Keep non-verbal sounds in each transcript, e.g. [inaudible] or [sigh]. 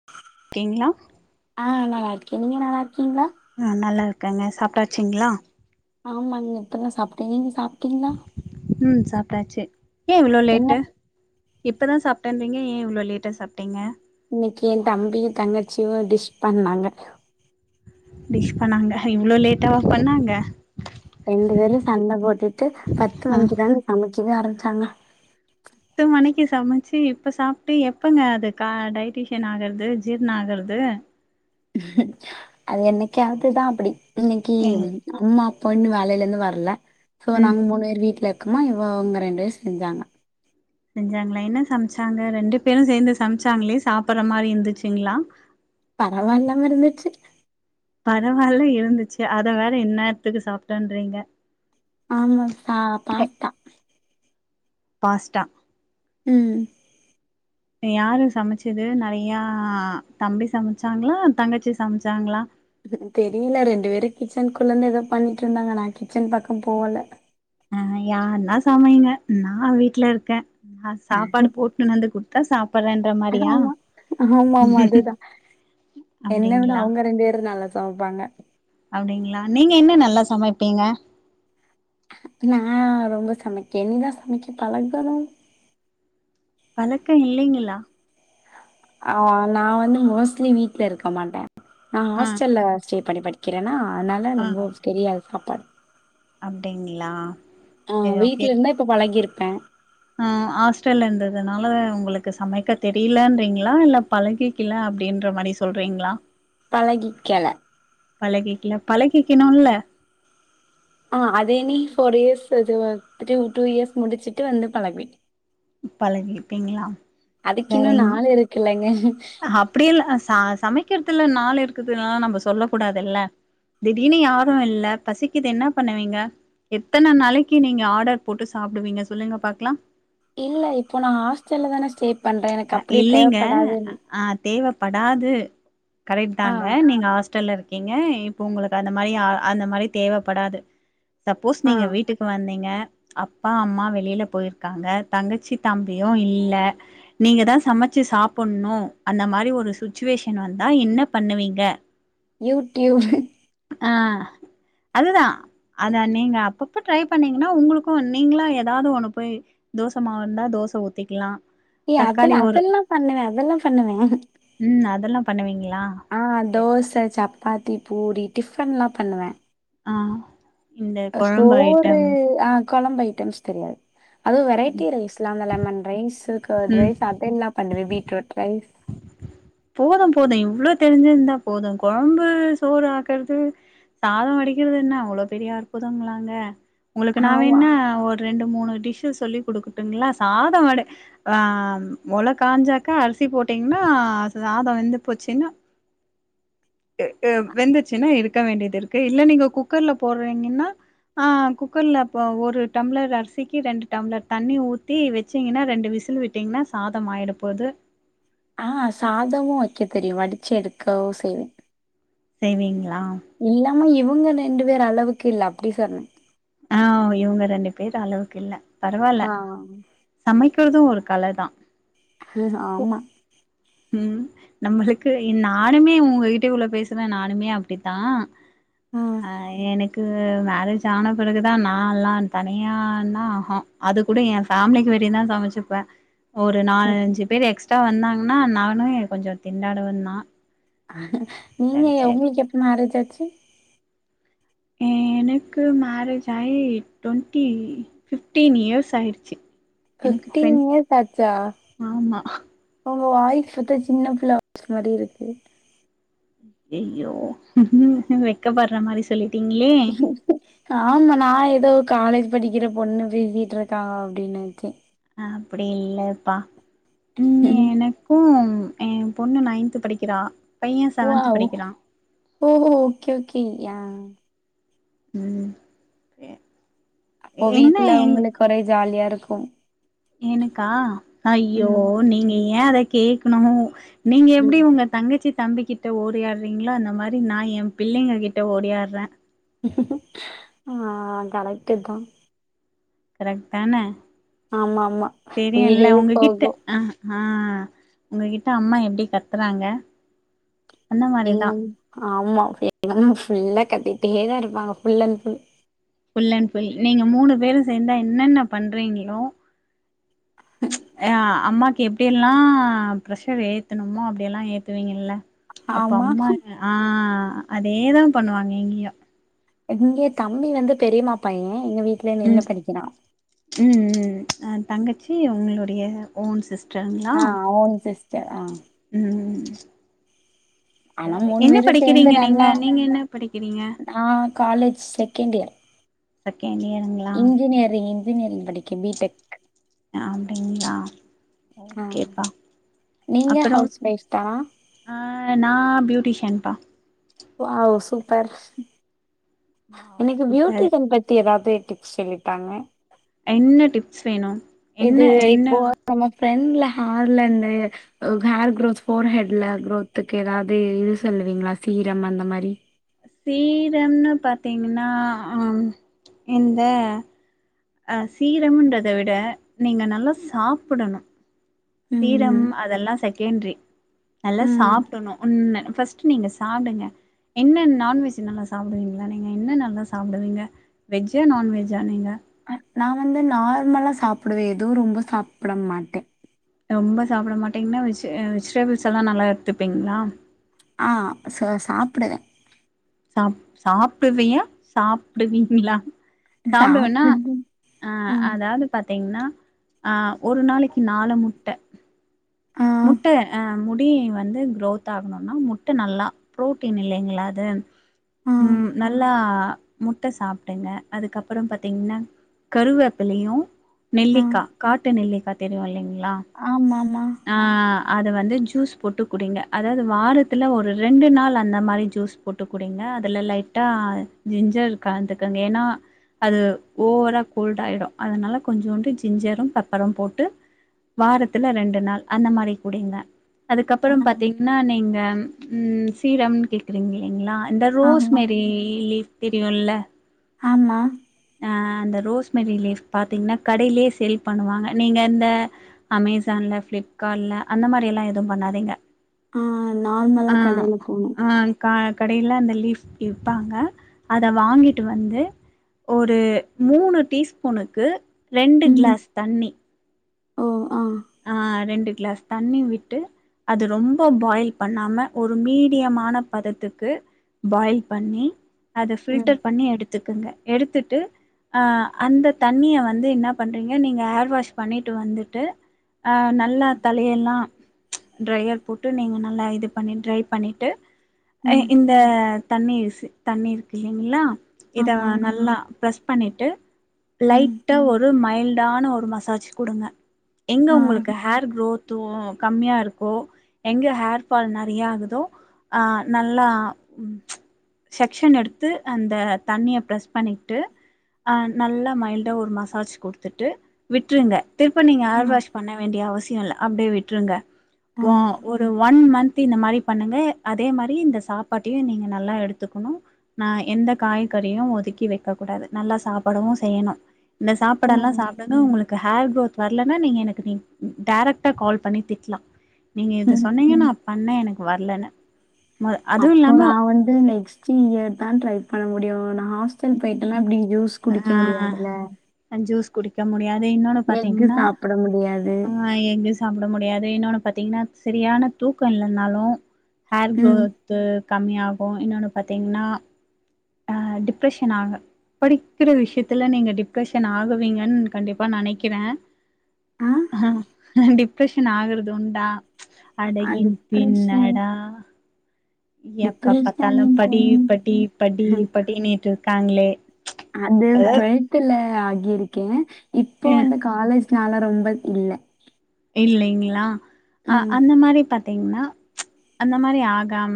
[unintelligible] கீங்களா ஆ நல்லாருக்கே நீங்க நல்லா இருக்கீங்களா ஆ நல்லா இருக்கேங்க சாப்டாச்சுங்களா ஆமா நீங்க இப்பதா சாப்டே நீங்க சாப்டீங்களா ம் சாப்டாச்சு ஏன் இவ்ளோ என்ன லேட்டு இப்போ தா சாப்டேன்பீங்க ஏன் இவ்ளோ லேட்டா சாப்டீங்க இன்னைக்கி என் தம்பியு தங்கச்சியு டிஷ் பண்ணாங்க டிஷ் பண்ணாங்க இவ்ளோ லேட்டாவா பண்ணாங்க ரெண்டு பேரு சண்ட போட்டுட்டு பத்து ஆ மணிக்குதாங்க சமைக்கவே ஆரம்பிச்சாங்க பத்து மணிக்கு சமச்சு இப்போ சாப்டு எப்பங்க அது கா டைட்டிஷன் ஆகறது ஜீர்ண ஆகறது அது என்னைக்காவதுதா அப்டி இன்னைக்கி ஏ ம் அம்மா அப்பா இன்னு வேலேல இருந்து வரல சோ ம் நாங்க மூணு பேரு வீட்ல இருக்கோமா இவ அவுங்க ரெண்டு பேரு செஞ்சாங்க செஞ்சாங்ளா என்ன சம்ச்சாங்க ரெண்டு பேரு சேந்து சம்ச்சாங்ளேஸ் சாப்பற மாரி இந்துச்சுங்ளா பரவால்லாம இருந்துச்சு பரவால்ல இருந்துச்சு அத வேற இந்நேரத்துக்கு சாப்ட்டன்றீங்க ஆமா சா பாஸ்தா பாஸ்ட்டா ம் யாரு சமச்சது நறையா தம்பி சமச்சாங்ளா தங்கச்சி சமச்சாங்ளா [inaudible] தெரில ரெண்டு வேரு கிச்சன் குள்ளந்து ஏதோ பண்ணிட்ருந்தாங்க நா கிச்சன் பக்கம் போல ஆ யானா சமைங்க நா வீட்ல இருக்கே நா சாப்பாடு போட் என்னாந்து குடுத்தா சாப்பறேன் எதுமாமா ஆமாமா அதுதா என்ன விட அப்டிங்களா அவங்க ரெண்டு வேர் நல்லா சமப்பாங்க அப்டிங்ளா நீங்க என்ன நல்லா சமைப்பீங்க நா ரொம்ப சமைக்கே இனிதா சமைக்க பழகனு பழக்க இல்லைங்களா ஆ நா வந்து மோஸ்ட்லி வீட்ல இருக்க மாட்டே நா ஆ ஹாஸ்டல்ல ஸ்டே பண்ணி படி க்கிறேனா அனால ஆ ரொம்போவ் ஸ்கெரியாது சாப்பாடு அப்டிங்களா ஆ செரி ஓகே வீட்ல இருந்தா இப்ப பழகிருப்பே ஆ ஹாஸ்டல்ல இந்ததுனால உங்களுக்கு சமைக்க தெரிலன்ரீங்ளா இல்ல பழகிக் கில அப்படின்ற மாரி சொல்றீங்ளா பழகிக்கல பழகிக்ல பழகிக்கணுல ஆ அதேனி ஃபோர் இயஸ்ஸு அதுவ த்ரீவ் டூ இயஸ் முடிச்சிட்டு வந்து பழக்வே பழகிப்பீங்ளா அதுக்கு இன்னு நாள் இருக்கு இல்லைங்க அப்டி இல்ல சா சமைக்கற்துல நாள் இருக்குதுனால நம்ம சொல்ல கூடாதுல்ல திடீனு யாரு இல்ல பசிக்கிது என்னா பண்ணுவீங்க எத்தன நாளைக்கி நீங்க ஆடர் போட்டு சாப்டுவீங்க சொல்லுங்க பாக்லா இல்ல இப்ப நா ஹாஸ்டல்ல தானே ஸ்டே பண்றே எனக்கப்டி இல்லைங்க தேவ்ப்படாதுன் அ தேவப்படாது ஆ கரேட்தாங்க நீங்க ஹாஸ்டல்ல இருக் இங்க இப்ப உங்களுக்கு அந்த மாரி அ அந்த மாரி தேவப்படாது சப்போஸ் ஆ நீங்க வீட்டுக்கு வந்தீங்க அப்பா அம்மா வெளில போய்ர்க்காங்க தங்கச்சி தம்பியு இல்ல நீங்க தா சமச்சு சாப்புண்ணு அந்த மாரி ஒரு சுச்சுவேஷன் வந்தா என்ன பண்ணுவீங்க யூடியூப் ஆ அதுதா அதா நீங்க அப்பப்போ ட்ரை பண்ணிங்கன்னா உங்களுக்கு நீங்களா ஏதாவது ஒன்னு பொய் தோச மாவ் இந்தா தோச ஊத்திக்லா ஏ அதல அதல்லா பண்ணுவே அதல்லா ஃபண்ணுவே ம் அதெல்லா பண்ணுவீங்களா ஆ சரி. தோச சப்பாத்தி பூரி டிஃபன்லா பண்ணுவே ஆ இந்த அ கொழம்பு சோறு ஐட்டம் ஆ கொழம்ப் ஐட்டம்ஸ் தெரியாத் அதுவு வெரைட்டி ரைஸ் லாங்க லெமன் ரைஸ்ஸு காட் ம் ரைஸ் அதெல்லா பண்ணுவெ பீட்ரூட் ரைஸ் போது போது இவ்ளோ தெரிஞ்சிருந்தா போது கொழம்பு சோறு ஆக்குற்து சாதோ வடிக்கிற்து என்ன அவ்ளோ பெரிய அற்புதங்களாங்க உங்களுக்கு நா ஆமா. வேணுனா ஒர் ரெண்டு மூணு டிஷ்ஷு சொல்லி குடுக்கட்டுங்களா சாதவட ஆ மொலக் காஞ்சாக்கா அரிசி போட்டீங்னா சாதோ வெந்து போச்சுனா வெந்துச்சின்னா இருக்க வேண்டியது இருக் தே இல்ல நீங்க குக்கர்ல போடுறீங்கன்னா ஆ குக்கர்ல அப்போ ஒரு டம்ளர் அரிசிக்கி ரெண்டு டம்ளர் தண்ணி ஊத்தி வெ ச்சிங்கன்னா ரெண்டு விசில் விட்டீங்னா சாதம் ஆயிட போது ஆ சாதமு வக்க தெரியு வடிச்சு எடுக்கவு செய்வே செய்வீங்ளா இல்லாம இவுங்க ரெண்டு பேர் அளவுக்கு இல்ல அப்டி சொன்னே ஆ இவுங்க ரெண்டு பேர் அளவுக்கு இல்ல பரவால ஆ சமைக்கிறது ஒரு கல தா ஆமா ம் நம்மளுக்கு இன் நானுமே உங்கக்கிட்ட இவ்ளோ பேசுறே நானுமே அப்டி தா ஆ அ எனக் கு மேரேஜ் ஆன பெறகுதா நா ல்லா தனியானா ஆகு அதுக் கூட என்ஃபேமிலிக்கு வேண்டியதா சமச்சுப்பே ஒரு நாலு அஞ்சு பேர் எக்ஸ்ட்ரா வந்தாங்னா நானு எ கொஞ்சோ திண்டாடவே தா நீங்க எ உங்களுக்கு எப் மேரேஜ் ஆச்சு எனக் கு மேரேஜ் ஆயி டுவெண்ட்டி ஃபிஃப்டீன் இயர்ஸ் ஆயிடுச்சு எனக்கு ஃபிஃப்டீன் டுவென் இயர்ஸ் ஆச்சா ஆமா உங்க வாய்ஸ் பாத்தா சின்னப்புள்ள வாய்ஸ் மாரி இருக்கு யய்யோ வெக்கப்படுற மாரி சொல்லி ஆமா நா ஏதோ காலேஜ் படிக்கிற பொண்ணு பேசிட்ருக்காங்க அப்டின் நெனச்சே அப்டி இல்லப்பா ம் எனக்கு எ பொண்ணு நையன்து படிக்கிறா பைய செவன்த் வாவ் படிக்கிறா ஓஹோ ஓகே ஓகே யா ம் பே அப்போ வீட்ல உங்களுக்கு ஒரே ஜாலியா இருக்கு எனக்கா ஐயோ ம் நீங்க ஏ அத கேக்ணு நீங்க எப்டி உங்க தங்கச்சி தம்பிக்கிட்ட ஓரியாறீங்ளா அந்த மாரி நா எ பிள்ளங்கக்கிட்ட ஓடியாறே ஆ கரெக்ட் தா கரெக்ட் தான ஆமா ஆமா உயிரே தெரியுல உங்ககிட்ட போகு ஆ ஹா உங்ககிட்ட அம்மா எப்டி கத்துறாங்க அந்த எங்க மாரிதா அம் ஆமா ஃப்யே எங்க அம்மா ஃபுல்லா கத்திட்டே தா இருப்பாங்க full and full full and full நீங்க மூணு பேரு சேந்தா என்னென்ன பண்றீங்களோ அ அம்மாக்கு எப்டி எல்லா ப்ரஷர ஏத்தணுமோ அப்டியே எல்லா ஏத்துவீங்கல்ல அப்ப ஆமா அம்மா ஆ அதேதா பண்ணுவாங்க இங்கயு இங்க தம்பி வந்து பெரியமா பையே எங்க வீட்ல ம் நின்னு படிக்கிறா ம் ம் அ தங்கச்சி உங்களுடைய ஓன் சிஸ்டர்மே ஆ ஓன் சிஸ்டர் ஆ ம் ஆனா சேரி மூணு என்ன பேரும் படிக்கிறீங்க நீங்க நீங்க என்ன படிக்கிறீங்க ஆ காலேஜ் செகண்ட் இயர் செகண்ட் இயர்ங் இன்ஜினியரிங் இன்ஜினியரிங் படிக்க பி டெக் அப்டிங்ளா ஆ ஓகேப்பா நீங்க அப்பறோ ஹவுஸ் ஒய்ஃப் தானா ஆ நா பியூட்டிஷியன்ப்பா வாவ் சூப்பர் வாவ் இன்னைக்கு சூப்பர் பியூட்டிசன் பத் தி ஏதாவ்து டிப்ஸ் சொல்லி தாங்க என்ன டிப்ஸ் வேணு இது என்ன இப்போ என்ன நம்ம ஃப்ரண்டுல ஹார்ல இருந்து அ ஹேர் குரோத் ஃபோர் ஹெட்ல குரோத்துக்கு ஏதாவது இது சொல்லுவீங்களா சீரம் அந்த மாரி சீரம்னு பாத்தீங்கனா ம் இந்த அ சீரம்ன்றத விட நீங்க நல்லா சாப்டணு சீரம் ம் அதெல்லா செகண்ட்ரி நல்லா ம் சாப்டணு உண்ம ஃபஸ்ட்டு நீங்க சாப்டுங்க என்ன நான்வெஜ் நல்லா சாப்டுவீங்களா நீங்க என்ன நல்லா சாப்டுவீங்க வெஜ்ஜா நான்வெஜ்ஜா நீங்க அ நா வந்து நார்மலா சாப்டுவே எது ரொம்ப சாப்ட மாட்டே ரொம்ப சாப்ட மாட்டிங்கனா வெஜி வெஜிடபிள்ஸ் எல்லா நல்லா எத்துப்பிங்களா ஆ ச சாப்டுவே சாப் சாப்பிடுவியா சாப்டுவீங்ளா சாப்டுவேனா சாப்பிட்டு ஆ அதாவ்து பாத்தீங்னா அ ஒரு நாளைக்கி நாலு முட்ட ஆ முட்ட அ முடி வந்து குரோத் ஆகணுனா முட்ட நல்லா புரோட்டீன் இல்லைங்களா அது ஆ ம் நல்லா முட்ட சாப்டுங்க அதுக்கப்பறோ பாத்தீங்னா கருவேப்பிலையு ஆ நெல்லிக்கா காட்டு நெல்லிக்கா தெரியு இல்லைங்களா ஆமாமா ஆ அத வந்து ஜூஸ் போட்டு குடிங்க அதாவ்து வாரத்தில ஒரு ரெண்டு நாள் அந்த மாரி ஜூஸ் போட்டு குடிங்க அதுல லைட்டா ஜிஞ்சர் காந்துக்கங்க ஏனா அது ஓவராக கோல்டு ஆயிடு அதனால கொஞ்சோண்டு ஜிஞ்சரு பெப்பரு போட்டு வாரத்துல ரெண்டு நாள் அந்த மாரி குடிங்க ஆ அதுக்கப்பறோ பாத்தீங்கனா நீங்க ம் சீரம்னு கேக்றீங் இல்லைங்களா இந்த ரோஸ் ஆமா மேரி லீஃப் தெரியுல்ல ஆமா அ அந்த ரோஸ்மெரி லீஃப் பாத்தீங்னா கடேலேயே சேல் பண்ணுவாங்க நீங்க இந்த அமேசான்ல ஃப்ளிப்கார்டுல அந்த மாரியெல்லா எதும் பண்ணாதீங்க ஆ நார்மலா ஆ கடைல போனோ ஆ கா கடேல அந்த லீஃப் விப்பாங்க அத வாங்கிட்டு வந்து ஒரு மூணு டீஸ்பூனுக்கு ரெண்டு ம் க்ளாஸ் தண்ணி ஓ ஆ ஆ ரெண்டு கிளாஸ் தண்ணி விட்டு அது ரொம்ப பாயில் பண்ணாம ஒரு மீடியமான பதத்துக்கு பாயில் பண்ணி அத ம் பில்டர் பண்ணி எடுத்துக்கங்க எடுத்துட்டு ஆ அந்த தண்ணிய வந்து என்ன பண்றீங்க நீங்க ஹேர் வாஷ் பண்ணிட்டு வந்துட்டு அஹ நல்லா தலயெல்லா ட்ரயர் போட்டு நீங்க நல்லா இது பண்ணி ட்ரே பண்ணிட்டு ஆ ம் இந்த தண்ணி யூஸி தண்ணி இருக்கு இல்லங்களா இத ஆமா நல்லா ப்ரஸ் பண்ணிட்டு ம் லைட்ட ஒரு மைல்டான ஒரு மசாஜ் கொடுங்க எங்க ஆ உங்களுக்கு ஹேர் குரோத் து கம்மியா இருக்கோ எங்க ஹேர் பால் நெறையா ஆகுதோ ஆ நல்லா செக்க்ஷன் எடுத்து அந்த தண்ணிய ப்ரெஸ் பண்ணிட்டு ஆ நல்லா மைல்டா ஒரு மசாஜ் கொடுத்துட்டு விட்ருங்க திருப்பி நீங்க ஆ ஹர் வாஷ் பண்ண வேண்டிய அவசியம் இல்ல அப்டியே விட்டுருங்க ஆ இன்னும் ஒரு ஒன் மந்த் இந்த மாரி பண்ணுங்க அதே மாரி இந்த சாப்பாட்டையும் நீங்க நல்லா எடுத்துகணும் நான் எந்த காய்கறியும் ஒதுக்கி வைக்க கூடாது நல்லா சாப்டவும் செய்யணும் இந்த ஓ சாப்பாடல்லாம் சாப்டுங்க உங்களுக்கு ஹேர் கு்ரோத் வரலன்னா நீங்க எனக்கு நீங் டேரெக்ட்டா கால் பண்ணி திட்லாம் நீங்க இத சொன்னீங்க நா பண்ணேன் எனக்கு வரலன்னு மொத அதுவு அப்போ இல்லாம நான் வந்து நெக்ஸ்ட் இயர் தான் ட்ரை பண்ண முடியும் நான் ஹாஸ்டல் போயிட்டேன்னா எப்டி ஜூஸ் குடிக்க ஆ முடியாதுல்ல அஞ்சூஸ் குடிக்க முடியாது இன்னொன்னு எக்கு பாத்தீங்ன்னா சாப்ட முடியாது ஆ எங்க சாப்ட முடியாது இன்னொன்னு பாத்தீங்கனா சரியான தூக்கம் இல்லனாலும் ஹேர் ம் குரோத் து கம்மியாகும் இன்னொன்னு பாத்திங்னா ஆ டிப்ரெஷன் ஆக படிக்கிற விஷயத்துல நீங்க டிப்ரஷன் ஆகுவீங்கன்னு கண்டிப்பா நெனக்கிறேன் ஆ ஆ டிப்ரெஷன் ஆகுறது உண்டா ச் அடங்கி டிப்ரஷன் பின்னடா எப்ப பாத்தாலும் படி டிப்ரஷன் படி படி படினேட்டு இருக்காங்ளே அது டுவெல்த்ல ஆகி இருக்கேன் இப்போ அ வந்து காலேஜ்னால ரொம்ப இல்ல இல்லைங்ளா அ ம், அந்த மாதிரி பாத்தீங்னா ச்ச அந்த மாதிரி ஆகாம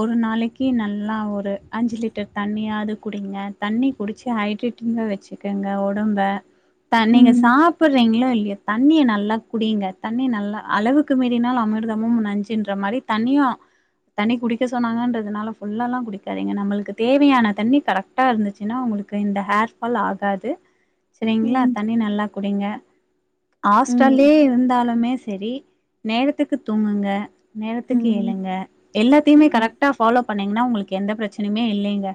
ஒரு நாளைக்கி நல்லா ஒரு அஞ்சு லிட்டர் தண்ணியாது குடிங்க தண்ணி குடிச்சு ஹைட்ரேட் ங்க வச்சுக்கங்க ஒடம்ப நீங்க ம், சாப்பிடுறீங்களோ இல்லையோ தண்ணிய நல்லா குடிங்க தண்ணி நல்லா அளவுக்கு மீறினால அமிர்தமும் நஞ்சுன்ற மாரி தண்ணியும் தண்ணி குடிக்க சொன்னாங்கன்றதுனால ஃபுல்லாலாம் குடிக்காதீங்க நம்மளுக்கு தேவையான தண்ணி கரெக்ட் டா இருந்துச்சினா உங்களுக்கு இந்த ஹேர்ஃபால் ஆகாது ம், செரிங்ளாக தண்ணி நல்லா குடிங்க ஹாஸ்டல் ம், லருந்தாலுமே செரி நேரத்துக்கு தூங்குங்க நேரத்துக்கு ம், எழுங்க எல்லாத்தையுமே ம். கரெக்டா ஃபாலோ பண்ணீங்கனா உங்களுக்கு எந்த பிரச்சனையுமே இல்லைங்க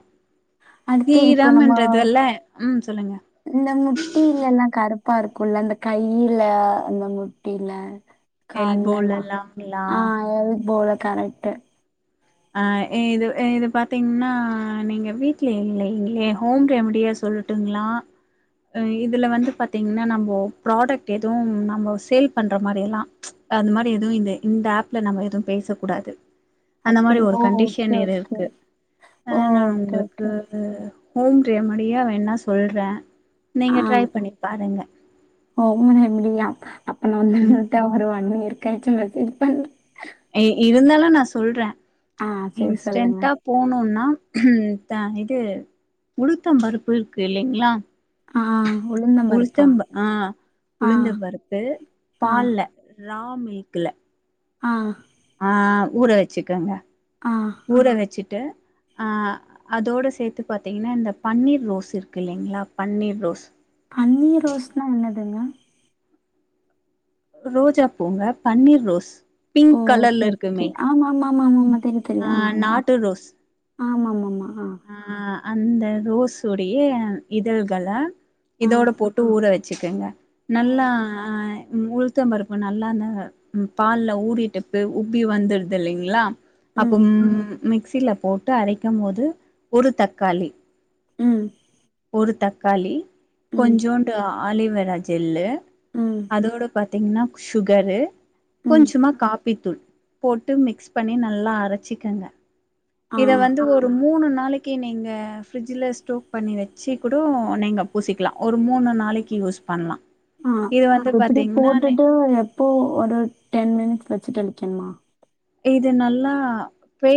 அடுத்து இப்போ நம்ம ஸீரம்ன்றதுல்ல ம் சொல்லுங்க இந்த முட்டிலலாம் கருப்பா இருக்கும்ல்ல இந்த கையில இந்த முட்டில அ கால்லல்லாம் எல்போலல்லாங்களா ஆ அது போல கரக்ட் ஆ இது இது பாத்தீங்னா நீங்க வீட்ல இல்லைங்களே ஹோம் ரெம்டியா சொல் ட்டுங்களா ம் இதுல வந்து பாத்தீங்கன்னா நம்மொ ப்ராடக்ட் எதுவு நம்மொ சேல் பண்ற மாரி எல்லா அந்த மாரி எதுவு இந்த இந்த ஆப்ல நம்ம எதுவு பேச கூடாது அந்த அப்படி மாரி ஒரு கண்டிஷன் ஓகே இரு ஓகே இருக்கு ஆ நா ஓகே உங்களுக்கு ஓகே ஆ ஹோம் ரெமடியா வேணா சொல்றே நீங்க ட்ரை பண்ணி பாருங்க ஹோம் ரெமடியா அப்ப நா வந்து ம் விட்டா ஒரு ஒண் இயர் கழிச்சு மெசேஜ் பண் ஏ இருந்தாலு நா சொல்றே ஆ சரி சொல்லுங்க இன்ஸ்டன்ட்டா போணோன்னா தா இது உளுத்தம் பருப்பு இருக்கு இல்லைங்களா ஆ உளுந் உளுத்தம்ப ஆ உளுந்த பருப்பு ஆ பால்ல ரா மில்க்ல்ல ஆ ஆ ஊற வெச்சிக்கங்க ஆ ஊற வெச்சிட்டு ஆ அதோடு சேத்து பாத்தீங்னா இந்த பன்னீர் ரோஸ் இருக்கு இல்லைங்களா பன்னீர் ரோஸ் பன்னீர் ரோஸ்னா என்னதுங்க? ரோஜா பூங்க பன்னீர் ரோஸ் ஓ பிங்க் ஓகே கலர்ல ஓகே இருக்குமே ஆமாமாமாமாமா தெரியு தெரியு ஆ நாட்டு ரோஸ் ஆமாமாமா அ ஆ அந்த ரோஸ் ஒடைய இதழ்கள ஆ இதோட போட்டு ஊற வெச்சுக்கங்க ஆ நல்லா உளுத்த பருப்பு நல்லா அந்த ம் பால்ல ஊறிட்டுப்பு உப்பி வந்துருது இல்லைங்களா அப்போ ம் மிக்சில போட்டு அரைக்கும்போது ஒரு தக்காளி ம் ஒரு தக்காளி ம் கொஞ்சோண்டு ஆலிவேரா ஜெல்லு ம் அதோடு பாத்தீங்கன்னா சுகரு ம் கொஞ்சமா காப்பித்தூள் போட்டு மிக்ஸ் பண்ணி நல்லா அரச்சிக்கங்க ஆ இத வந்து ஒ ஒரு மூணு நாளைக்கு நீங்க ஃப்ரிட்ஜ்ஜுல ஸ்டோக் பண்ணி வெ சிக்கூடோ நீங்க பூசிக்குலா ஒரு மூணு நாளைக்கு யூஸ் பண்லா ஆ இது வந்து எப்படி பாத்தீங்கன்னா போட்டுட்டு எப்போ ஒரு டென் மினிட்ஸ் வெச்சுட்டு அழிக்கணுமா இது நல்லா பே